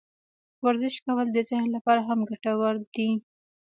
ورزش کول د ذهن لپاره هم ګټور دي.